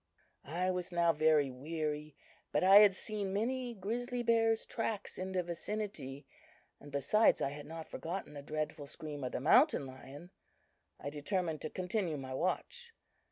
"I was now very weary, but I had seen many grizzly bears' tracks in the vicinity, and besides, I had not forgotten the dreadful scream of the mountain lion. I determined to continue my watch.